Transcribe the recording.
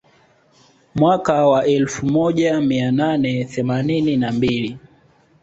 Mwaka wa elfu moja mia nane themanini na mbili